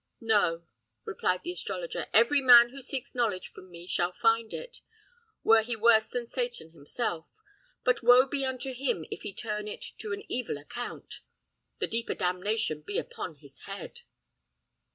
"No," replied the astrologer; "every man who seeks knowledge from me shall find it, were he worse than Satan himself; but woe be unto him if he turn it to an evil account! The deeper damnation be upon his head!"